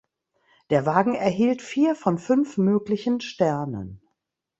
Der Wagen erhielt vier von fünf möglichen Sternen.